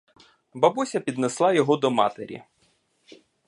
Бабуся піднесла його до матері.